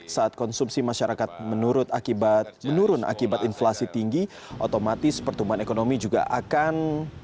saat konsumsi masyarakat menurun akibat inflasi tinggi otomatis pertumbuhan ekonomi juga akan